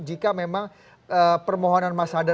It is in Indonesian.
jika memang permohonan masyarakat